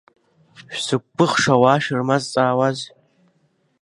Шәзықәгәыӷша ауаа шәырмазаҵаауаз…